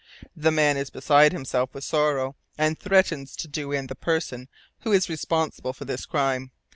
The man is beside himself with sorrow, and threatens to 'do in' the person who is responsible for this crime.